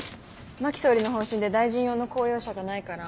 真木総理の方針で大臣用の公用車がないから。